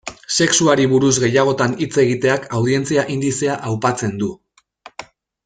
Sexuari buruz gehiagotan hitz egiteak, audientzia indizea aupatzen du.